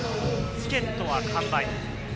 チケットは完売。